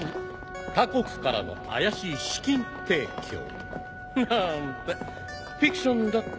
他国からの怪しい資金提供。なんてフィクションだったらよくある話だけど。